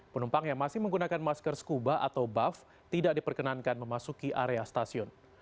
penumpang yang masih menggunakan masker scuba atau buff tidak diperkenankan memasuki area stasiun